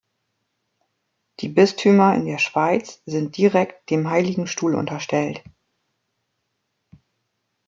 Die Bistümer in der Schweiz sind direkt dem Heiligen Stuhl unterstellt.